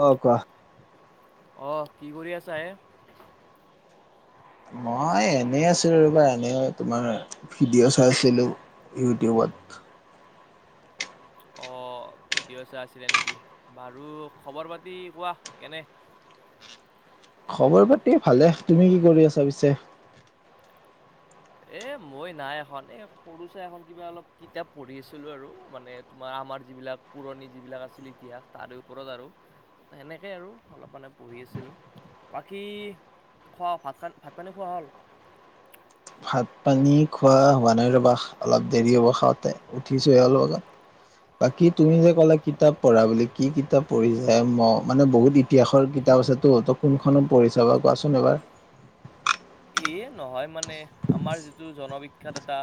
কোৱা কোৱা। অ' কি কৰি আছা এই? মই এনে আছিলোঁ ৰবা এনে তোমাৰ ভিডিঅ' চাই আছিলোঁ। ইউটিউবত। অ ভিডিঅ' চা আছিলে নেকি বাৰু খবৰ-পাতি কোৱা কেনে? খবৰ-পাতি ভালে। তুমি কি কৰি আছা পিছে? এ মই নাই এখন এ সৰু ছাই এখন কিবা অলপ কিতাপ পঢ়ি আছিলোঁ আৰু মানে তোমাৰ আমাৰ যিবিলাক পুৰণি যিবিলাক আছিল ইতিহাস তাৰে ওপৰত আৰু সেনেকেই আৰু অলপ মানে পঢ়ি আছিলোঁ। বাকী খোৱা ভাত খান ভাত-পানী খোৱা হ'ল? [inaudible] ভাত-পানী খোৱা হোৱা নাই ৰবা অলপ দেৰি হ'ব খাওঁতে, উঠিছোহে অলপ আগত। বাকী তুমি যে কলা কিতাপ পঢ়া বুলি কি কিতাপ পঢ়িছে ম মানে বহুত ইতিহাসৰ কিতাপ আছেতো তো কোনখনত পঢ়িছা বা কোৱাচোন এবাৰ? [inaudible] এয়ে নহয় মানে আমাৰ যিটো জনবিখ্যাত এটা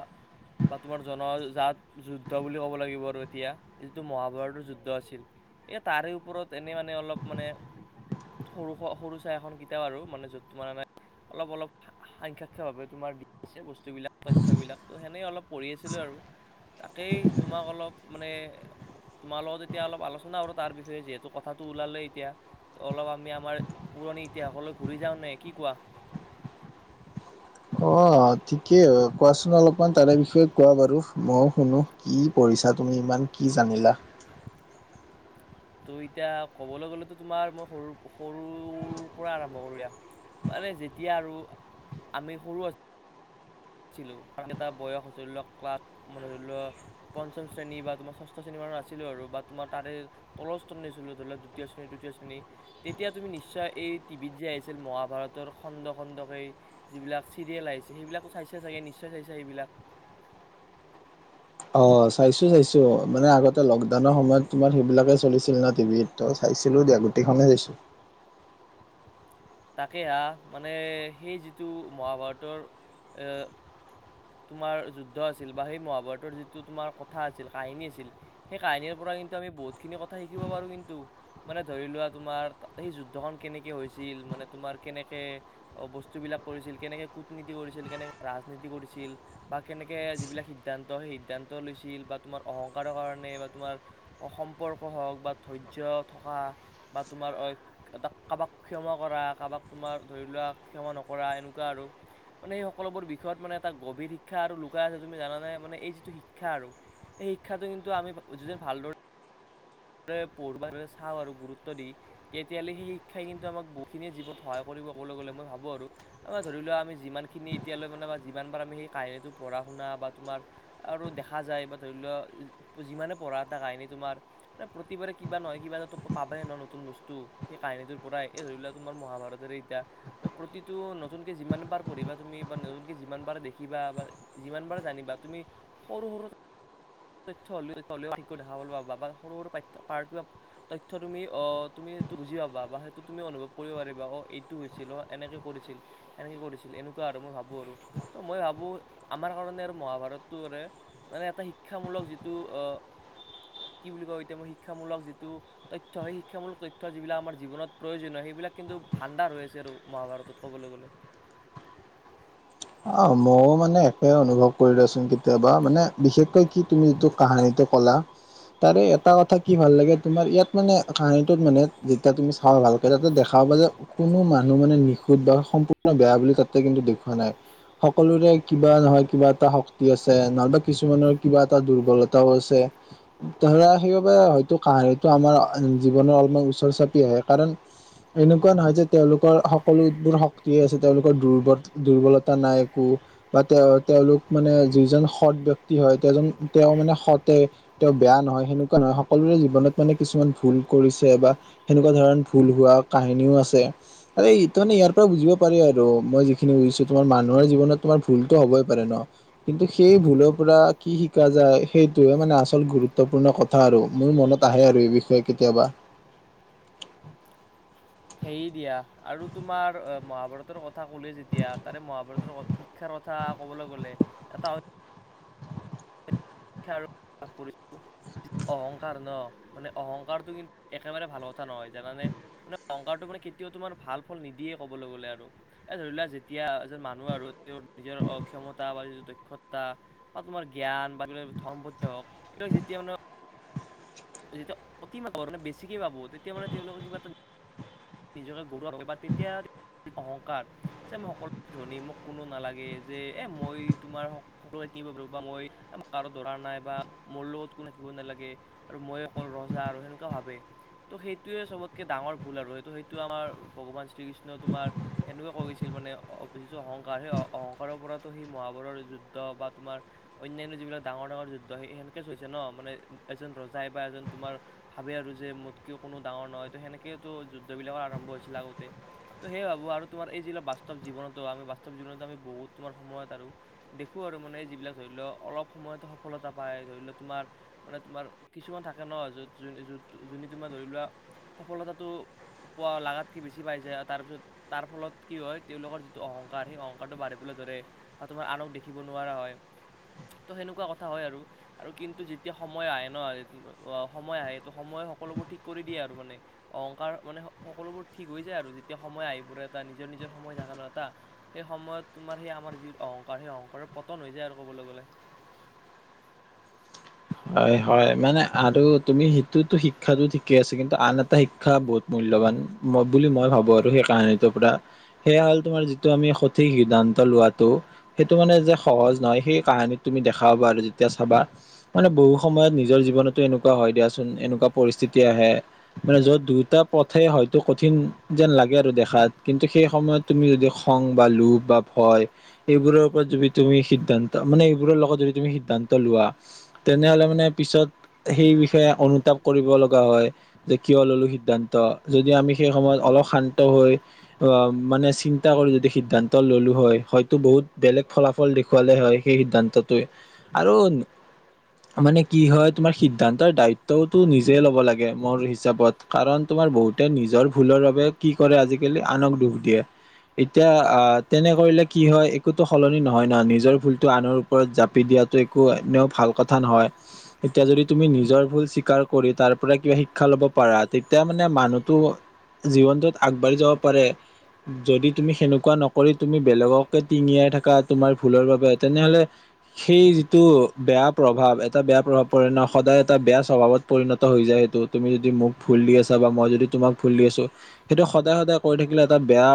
বা তোমাৰ জনজাত যুদ্ধ বুলি ক'ব লাগিব আৰু এতিয়া যিটো মহাভাৰতৰ যুদ্ধ আছিল। এ তাৰে ওপৰত এনেই মানে অলপ মানে সৰু সৰু চাই এখন কিতাপ আৰু মানে য'ত তোমাৰ অলপ অলপ [unintelligible] তোমাৰ দি আছে বস্তুবিলাক, তথ্যবিলাক ত সেনেই অলপ পঢ়ি আছিলোঁ আৰু। তাকেই তোমাক অলপ মানে তোমাৰ লগত এতিয়া অলপ আলোচনা কৰোঁ তাৰ বিষয়ে যিহেতু কথাটো ওলালে এতিয়া। অলপ আমি আমাৰ পুৰণি ইতিহাসলৈ ঘূৰি যাওঁ নে কি কোৱা? অ', ঠিকেই কোৱাছোন অলপমান তাৰে বিষয়ে কোৱা বাৰু ময়ো শুনো কি পঢ়িছা তুমি ইমান। কি জানিলা? ত' এতিয়া ক'বলৈ গ'লেতো তোমাৰ মই সৰু সৰুৰ পৰা আৰম্ভ কৰোঁ এ মানে যেতিয়া আৰু আমি সৰু আছোঁ ছিলো কাৰণ বয়স ধৰি লওক ক্লাছ মানে ধৰি ল পঞ্চম শ্ৰেণী বা তোমাৰ ষষ্ঠ শ্ৰেণী আছিলোঁ আৰু বা তোমাৰ তাৰে তলৰ শ্ৰেণীৰ আছিল ধৰি ল দ্বিতীয় শ্ৰণী-তৃতীয় শ্ৰেণী তেতিয়া তুমি নিশ্চয় এই টিভিত যে আহিছিল মহাভাৰতৰ খণ্ড খণ্ডকে যিবিলাক চিৰিয়েল আহিছিল সেইবিলাকো চাইছিল নিশ্চয় চাগে নিশ্চয় চাইছা সেইবিলাক? অ', চাইছোঁ চাইছোঁ মানে আগতে লকডাউনৰ সময়ত তোমাৰ সেইবিলাকে চলিছিল ন টিভিত ত' চাই চাইছিলোঁ দিয়া গোটেইখনেই চাইছোঁ। তাকে আ, মানে সেই যিটো মহাভাৰতৰ তোমাৰ যুদ্ধ আছিল বা সেই মহাভাৰতৰ যিটো তোমাৰ কথা আছিল কাহিনী আছিল সেই কাহিনীৰ ওপৰত কথা কিন্তু আমি বহুতখিনি কথা শিকিব পাৰোঁ, কিন্তু মানে ধৰিলোৱা তোমাৰ তাত সেই যুদ্ধখন কেনেক হৈছিল তোমাৰ কেনেকে বস্তুবিলাক কৰিছিল, কেনেকে কূটনীতি কৰিছিল, কেনেকে ৰাজনীতি কৰিছিল। বা কেনেকে যিবিলাক সিদ্ধান্ত সেই সিদ্ধান্ত লৈছিল বা তোমাৰ অহংকাৰৰ কাৰণে বা তোমাৰ সম্পৰ্ক হওক বা ধৈৰ্য থকা বা তোমাৰ এটা কাৰবাক ক্ষমা কৰা কাবাক তোমাৰ ধৰি লোৱা ক্ষমা নকৰা এনেকুৱা আৰু। মানে সেই সকলোবোৰ বিষয়ত মানে এটা গভীৰ শিক্ষা আৰু লুকাই আছে তুমি জানা নে, মানে এই যিটো শিক্ষা আৰু। এই শিক্ষাটো কিন্তু আমি যিজন ভালদৰে ৰে পঢ় চাওঁ আৰু গুৰুত্ব দি, তেতিয়াহ'লে সেই শিক্ষাই কিন্তু আমাক বহুখিনিয়ে জীৱত সহায় কৰি ক'বলৈ গ'লে মই ভাবোঁ আৰু আমাৰ ধৰি লোৱা আমি যিমানখিনি এতিয়ালৈ মানে যিমানবাৰ আমি সেই কাহিনীটো টো পঢ়া শনা বা তোমাৰ আৰু দেখা যায় বা ধৰি লোৱা যিমানে পঢ়া এটা কাহিনী তোমাৰ প্ৰতিবাৰে কিবা নহয় কিবা এটাতো পাবায়ে ন' নতুন বস্তু সেই কাহিনীটোৰ পৰাই, এই ধৰি লোৱা তোমাৰ মহাভাৰতৰ সেইটা, প্ৰতিটো নতুনকে যিমানবাৰ পঢ়িবা তুমি বা নতুনকে যিমানবাৰ দেখিবা বা যিমানবাৰ জানিবা তুমি সৰু সৰু তথ্য হ'লেও তথ্য হ'লেও [unintelligible] পাবা সৰু সৰু [unintelligible] তথ্য তুমি, অ, তুমি বুজি পাবা সেইটো তুমি অনুভৱ কৰিব পাৰিবা অ', এইটো হৈছিল অ', এনেকে কৰিছিল এনেকে কৰিছিল এনু আৰু মই ভাবোঁ আৰু ত' মই ভাবোঁ আমাৰ কাৰণে আৰু মহাভাৰতটো মানে এটা শিক শিক্ষামূলক যিটো কি বুলি কয় এতিয়া মই শিক্ষামূলক যিটো তথ্য, সেই শিক্ষামূলক তথ্য যিবিলাক আমাৰ জীৱনত প্ৰয়োজনীয় সেইবিলাক সেইবিলাক কিন্তু ভাণ্ডাৰ হৈ আছে আৰু মহাভাৰতত ক'বলৈ গ'লে। [inaudible] অ', ময়ো মানে একে অনুভৱ কৰোঁ দিয়াছোন কেতিয়াবা মানে বিশেষকৈ কি তুমি ইটো কাহানীটো ক কলা তাৰে এটা কথা কি ভাল লাগে তোমাৰ ইয়াত মানে কাহানীটোত মানে যেতিয়া তুমি চাওঁ ভালকৰে তাতে দেখা পাবা যে কোনো মানুহ মানে নিখুধ বা সম্পূৰ্ণ বেয়া বুলি তাতে কিন্তু দেখোৱা নাই। সকলোৰে কিবা নহয় কিবা এটা শক্তি আছে নহবা কিছুমানৰ কিবা এটা দুৰ্বলতাও আছে। ধৰা সেইবাবে হয়তো কাহিনীটো আমাৰ জীৱনৰ অলমান ওচৰ চাপি আহে। কাৰণ, এনেকুৱা নহয় যে তেওঁলোকৰ সকলোবোৰ শক্তিয়ে আছে, তেওঁলোকৰ দুৰ্বল-দুৰ্বলতা। নাই একো বা তেওঁ তেওঁলোক মানে যিজন সৎ ব্যক্তি হয় তেওঁজন তেওঁ মানে সৎ তেওঁ বেয়া নহয় সেনেকুৱা নহয় সকলোৰে জীৱনত মানে কিছুমান ভুল কৰিছে বা সেনেকুৱা ধৰণ। ভুল হোৱা কাহিনীও আছে আৰু মানে ইয়াৰ পৰা বুজিব পাৰি আৰু, মই যিখিনি বুজিছো। তোমাৰ মানুহৰ জীৱনত তোমাৰ ভুলতো হ'বই পাৰে ন, কিন্তু সেই ভুলৰ পৰা কি শিকা যায়। সেই সেইটোৰে মানে আচল গুৰুত্বপূৰ্ণ কথা আৰু মোৰ মনত আহে আৰু এই বিষয়ে কেতিয়াবা। [unintelligible] সে দিয়া আৰু তোমাৰ মহাভাৰতৰ ক কথা কলে যেতিয়া তাৰে মহাভাৰতৰ শিক্ষাৰ কথা ক'বলৈ গ'লে। এটা শিক্ষা অহংকাৰ ন মানে অহংকাৰটো কিন্তু একেবাৰে ভাল নহয় জানানে অহংকাৰটো মানে কেতিয়াও তোমাৰ ভাল ফল নিদিয়ে ক'বলৈ গ'লে আৰু এই ধৰি লোৱা যেতিয়া এজন মানুহ আৰু নিজৰ অক্ষমতা বা নিজৰ দক্ষতা বা তোমাৰ জ্ঞান বা [unintelligible] যেতিয়া মানে যেতিয়া অতি মাত মানে বেছিকে পাব তেতিয়া মানে তেওঁলোকে কিবা এটা নিজকে গৰুৱ [unintelligible] বা তেতিয়া অহংকাৰ যে মই সকলো ধনী মোক কোনো নালাগে যে এ মই তোমাৰ সকলোৱে সিকিব পাৰ মই কাৰো দৰা নাই বা মোৰ লগত কোনো থাকিব নালাগে আৰু মই অকল ৰজা আৰু সেনেকুৱা ভাবে ত' সেইটোয়ে চবতকে ডাঙৰ ভুল আৰুটো সেইটো আমাৰ ভগৱান শ্ৰীকৃষ্ণ তোমাৰ এনেকুৱা কৈছে মানে যিটো অহংকাৰ সেই অহংকাৰৰ পৰা সেই মহাভাৰতৰ যুদ্ধ বা তোমাৰ অন্যান্য যিবিলাক ডাঙৰ ডাঙৰ যুদ্ধ সেনেকে চৈ হৈছে ন মানে এজন ৰজাই বা এজন তোমাৰ ভাবে আৰু যে মোতকেও কোনো ডাঙৰ নহয় ত সেনেকে তো যুদ্ধ বিলাকৰ আৰম্ভ ছিল আগতে, তো সেই ভাবো আৰু তোমাৰ এই যিবিলাক বাস্তৱ জীৱনতো আমি বাস্তৱ জীৱনো আমি বহুত তোমাৰ সময়ত দেখো আৰু মানে যিবিলাক ধৰি লোৱা অলপ সময়ত সফলতা পাই, ধৰি লোৱা তোমাৰ মানে তোমাৰ কিছুমান থাকে ন য'ত য য'ত তোমাৰ ধৰি লোৱা সফলতাটো পোৱা লগাতকে বেছি পাই যায়, আৰু তাৰপিছত তাৰ ফলত কি হয় তেওঁলোকৰ যিটো অহংকাৰ অহংকাৰ সেই অংকাৰটো বাঢ়িবলৈ ধৰে বা তোমাৰ আনক দেখিব নোৱাৰা হয়। ত' সেনেকুৱা কথা হয় আৰু আৰু কিন্তু যেতিয়া সময় আহে নয় সময় আহে সেইটো সময়ে সকলোবোৰ ঠিক কৰি দিয়ে আৰু মানে অহংকাৰ মানে সকলোবোৰ ঠিক হৈ যায় আৰু যেতিয়া সময় আহি পৰে এটা নিজৰ নিজৰ সময় থাকে ন এটা। সেই সময়ত তোমাৰ সেই আমাৰ যি অহংকাৰ, সেই অহংকাৰৰ পতন হৈ যায় আৰু ক'বলৈ গ'লে। [inaudible] হয়, হয় মানে আৰু তুমি সেইটোতো শিক্ষাটো ঠিকে আছে কিন্তু আন এটা শিক্ষা বহুত মূল ল্যবান ম বুলি মই ভাবো আৰু সেই কাহিনীটোৰ পৰা সেয়া হ'ল তোমাৰ যিটো আমি সঠিক সিদ্ধান্ত লোৱাটো। সেইটো মানে যে সহজ নহয়, সেই কাহানীত তুমি দেখা পাবা আৰু যেতিয়া চাবা। মানে বহু সময়ত নিজৰ জীৱনতো এনেকুৱা হয় দিয়াচোন, এনেকুৱা পৰিস্থিতি আহে মানে য'ত দুটা পথে হয়তো কঠিন যেন লাগে আৰু দেখাত কিন্তু সেই সময়ত তুমি যদি খং বা লোভ বা ভয়, এইবোৰৰ ওপৰত যদি তুমি সিদ্ধান্ত মানে, এইবোৰৰ লগত যদি তুমি সিদ্ধান্ত লোৱা তেনেহ'লে মানে পিছত সেই বিষয়ে অনুতাপ কৰিব লগা হয় যে কিয় ললো সিদ্ধান ত যদি আমি সেই সময়ত অলপ শান্ত হৈ অ মানে চিন্তা কৰি যদি সিদ্ধান্ত ল'লো হয়, হয়তো বহুত বেলেগ ফলাফল দেখুৱালে হয়। সেই সিদ্ধান্তটোৱে আৰু মানে কি হয়, তোমাৰ সিদ্ধান্তৰ দায়িত্বওো নিজে ল'ব লাগে। মোৰ হিচাপত কাৰণ তোমা বহুতে নিজৰ ভুলৰ বাবে কি কৰে আজিকালি আনক দুখ দিয়ে। এতিয়া আহ তেনে কৰিলে কি হয় একোতো সলনি নহয় ন, নিজৰ ভুলটো আনৰ ওপৰত জাপি দি য়াতো একো অন্য ভাল কথা নহয়। এতিয়া যদি তুমি নিজৰ ভুল স্বীকাৰ কৰি তাৰ পৰা কিবা শিক্ষা ল'ব পাৰা তেতিয়া মানে মানুহটো জীৱনটোত আগবাঢ়ি যাব পাৰে। যদি তুমি সেনেকুৱা নকৰি তুমি বেলেগকে টিঙিয়াই থাকা, তোমাৰ ভুলৰ বাবে, তেনেহ'লে সেইযিটো বেযা। প্ৰভাৱ এটা বেয়া প্ৰভাৱ পৰে ন। সদায় এটা বেয়া স্বভাৱত পৰিণত হৈ যায়। সেইটো তুমি যদি মোক ভুল দি আছা। ক মই যদি তোমাক ভুল দি আছো, সেইটো সদায় সদায় কৰি থাকিলে এটা বেয়া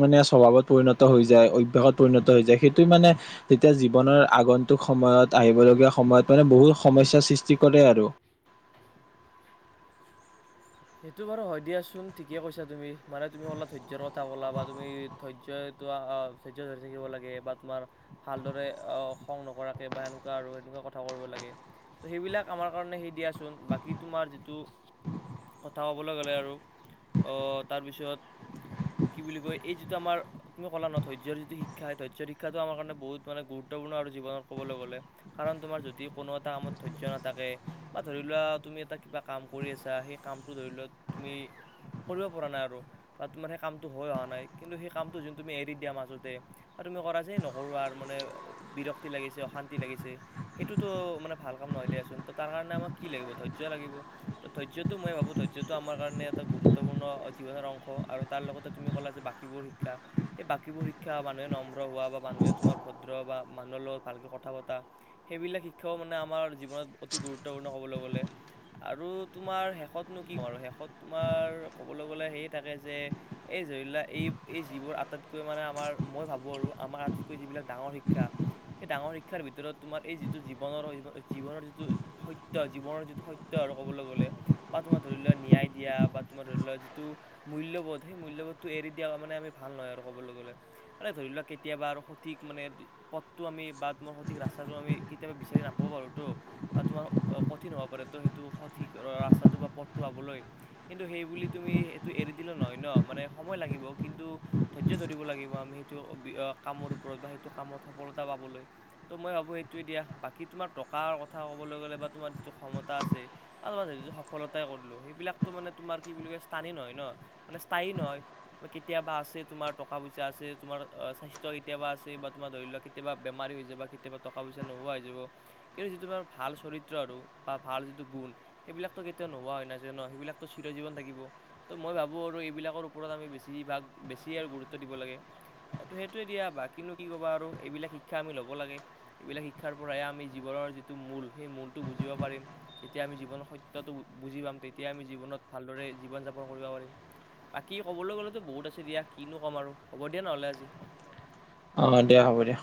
মানে স্বভাৱত পৰিণত। হৈ যায় অভ্যাসত পৰিণত হৈ যায়। সেইটো মানে তেতিয়া জীৱনৰ আগন্তুক সময়ত আহিব লগীয়া। সময়ত মানে বহুত সমস্যাৰ সৃষ্টি কৰে আৰু। সেইটো বাৰু হয় দিয়াচোন ঠিকে কৈছা তুমি, মানে তুমি অলপ ধৈয্যই ৰ কথা ক'লা বা তুমি ধৈয্যই, তোমাৰ অ, ধৈয্যই ধৰি থাকিব লাগে বা তোমাৰ ভালদৰে অ খং নকৰাকে বা এনেকুৱা আৰু। কথা কৰিব লাগে। ত সেইবিলাক আমাৰ কাৰণে হেৰি দিয়াচোন। বাকি তোমাৰ যিটো কথা ক'বলৈ গ'লে আৰু অ' তাৰপিছত কি বুলি কয় এই যিটো আমাৰ তুমি ক'লা ন ধৈয্যৰ যিটো শিক্ষা ধৈৰ্য্যৰ শিক্ষাটো আমাৰ কাৰণে বহুত মানে গুৰুত্ব। গুৰুত্বপূৰ্ণ আৰু জীৱনত কবলৈ গ'লে। কাৰণ তোমাৰ যদি কোনো এটা কামত ধৈৰ্য্য নাথাকে বা ধৰি লোৱা। তুমি এটা কিবা কাম কৰি আছা সেই কামটো ধৰিলোৱা তুমি। কৰিব পৰা নাই আৰু বা তোমাৰ সেই কামটো হৈ অহা নাই কিন্তু সেই কামটো জোনটো তুমি এৰি দিয়া মাজতে। তুমি কৰা যে নকৰো আৰু মানে বিৰক্তি লাগিছে অশান্তি লাগিছে সেইটোতো মানে ভাল কাম নহয়। দিয়াছোন তাৰ কাৰণে আমাক কি লাগিব ধৈৰ্য্য লাগিব। মই ভাবো ধৈয্যটো আমাৰ কাৰণে এটা গৰুত্বপূৰ্ণ জীৱনৰ অংশ আৰু তাৰ লগতে তুমি ক'লা যে বাকীবোৰ শিক্ষা। ক্ষা বাকীবোৰ শিক্ষা মানুহে নম্ৰ হোৱা বা মানুহে তোমাৰ ভদ্ৰ বা মানুহৰ লগত ভালকে কথা পতা সেইবিলাক শিক্ষাও মানে আমাৰ জীৱনত অতি গুৰুত্বপূৰ্ণ ক'বলৈ গ'লে। আৰু তোমাৰ শেষত নু কি কম আৰু, শেষত তোমাৰ ক'বলৈ গ'লে হেৰি থাকে যে, এই ধৰিলোৱা হেৰিবোৰ। আটাইতকৈ মানে আমাৰ মই ভাবো আৰু আমাৰ আটাইতকৈ যিবিলাক ডাঙৰ শিক্ষা। সেই ডাঙৰ শিক্ষাৰ ভিতৰত তোমাৰ এই যিটো, জীৱনৰ জীৱনৰ যিটো সত্য, জীৱনৰ যিটো সত্য। আৰু ক'বলৈ গ'লে, বা তোমাৰ ধৰি লোৱা নিয়ায় দিয়া বা তোমাৰ ধৰি লোৱা যিটো মূ্ল্যবধ, সেই মূল্যবধটো এৰি দিয়া মানে আমি ভাৱ নে কবলৈ গ'লে, মানে ধৰি লোৱা কেতিয়াবা সঠিক পথটো আমি বা সঠিক ৰাস্তাটো আমি কেতিয়াবা বিচাৰি নাপাব পাৰো তো বা তোমাৰ কঠিন হব পাৰে ত সেইটো সঠিক ৰাচ তা বা পথটো পাবলৈ কিন্তু সেইবুলি তুমি এইটো এৰি দিলে নহয় ন মানে সময় লাগিব কিন্তু ধৈৰ্য ধৰিব লাগিব আমি অ সেইটো কামৰ ওপৰত বা সেইটো কামত সফলতা পাবলৈ ত মই সেইটোোৱে দিয়া বাকি তোমাৰ টকা কথা কবলৈ গ'লে বা তোমাৰ যিটো ক্ষমতা আছে বা সফলতাই কৰিলোঁ সেইবিলাকতো মানে তোমাৰ কি বুলি কয় স্থানী নহয় ন মানে স্থায়ী নহয়। কেতিয়াবা আছে তোমাৰ টকা পইচা আছে তোমাৰ স্বাস্থ্য কেতিয়াবা আছে বা তোমাৰ ধৰি লোৱা কেতিয়াবা বেমাৰ। কেতিয়াবা টকা পইচা নোহোৱা হৈ যাব কিন্তু যিটো তোমাৰ ভাল চৰিত্ৰ আৰু বা ভাল যিটো গুণ সেইবিলাকটো কেতিয়াবা [unintelligible] নোহোৱা হয় হৈ নাযায় ন সেইবিলাকতো চিৰ জীৱন থাকিব তো মই ভাবোঁ আৰু এইবিলাকৰ ওপৰত আমি বেছিভাগ বেছি আৰু গুৰুত্ব দিব লাগে। ত সেইটোয়ে দিয়া বাকী ন কি কবা আৰু এইবিলাক শিক্ষা আমি ল'ব লাগে এইবিলাক শিক্ষাৰ পৰাহে আমি জীৱন। নৰ যিটো মূল সেই মূতটো বুজিব পাৰিম যেতিয়া আমি জীৱনৰ সত্যটো বু বুজি পাম তেতিয়া আমি জীৱনত ভালদৰে জীৱন যাপন কইৰবা পাৰিম। বাকী ক'বলৈ গ'লেতো বহুত আছে দিয়া কিনো ক'ম আৰু হ'ব দিয়া নহ'লে আজি। অ দিয়া হ'ব দিয়া।